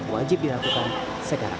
wajib dilakukan dengan berat